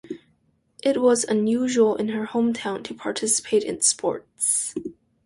It was unusual in her hometown to participate in sports.